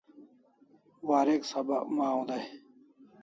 Warek sabak maw dai